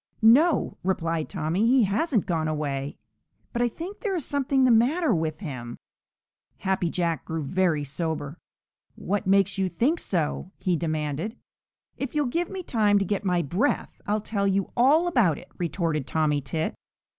"No," replied Tommy, "he hasn't gone away, but I think there is something the matter with him." Happy Jack grew very sober. "What makes you think so?" he demanded. "If you'll give me time to get my breath, I'll tell you all about it," retorted Tommy Tit.